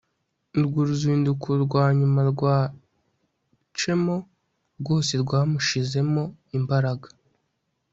Urwo ruzinduko rwa nyuma rwa chemo rwose rwamushizemo imbaraga